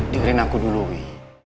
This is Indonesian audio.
diharin aku dulu wi